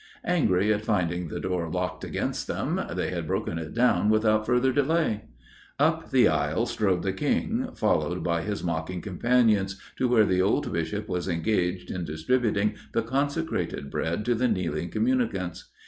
Angry at finding the door locked against them, they had broken it down without further delay. Up the aisle strode the King, followed by his mocking companions, to where the old Bishop was engaged in distributing the consecrated Bread to the kneeling communicants.